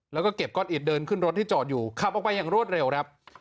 แล้วก็เก็บก้อนอิดเดินขึ้นรถที่จอดอยู่ขับออกไปอย่างรวดเร็วครับ